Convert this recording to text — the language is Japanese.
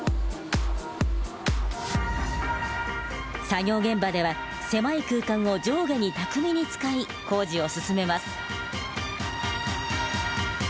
作業現場では狭い空間を上下に巧みに使い工事を進めます。